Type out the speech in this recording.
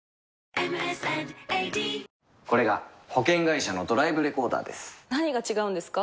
これが保険会社のドライブレコーダーです何が違うんですか？